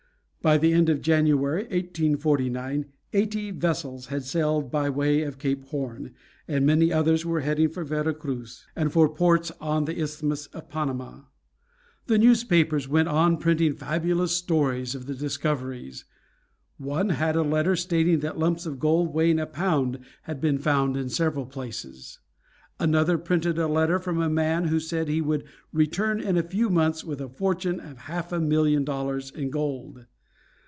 By the end of January, 1849, eighty vessels had sailed by way of Cape Horn, and many others were heading for Vera Cruz, and for ports on the Isthmus of Panama. The newspapers went on printing fabulous stories of the discoveries. One had a letter stating that lumps of gold weighing a pound had been found in several places. Another printed a letter from a man who said he would return in a few months with a fortune of half a million dollars in gold.